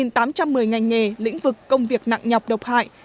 trên tám trăm một mươi ngành nghề lĩnh vực công việc nặng nhọc độc hại